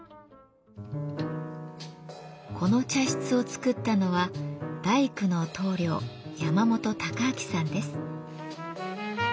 この茶室をつくったのは大工の棟梁・山本隆章さんです。